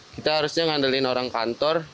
kita harusnya ngandelin orang kantor